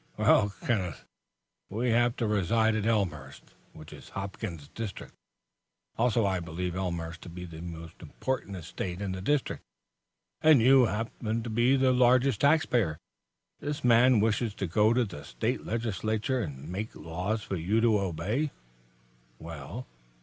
"Well, Kenneth, we have to reside at Elmhurst, which is Hopkins's district. Also I believe Elmhurst to be the most important estate in the district, and you to be the largest taxpayer. This man wishes to go to the State Legislature and make laws for you to obey." "Well?"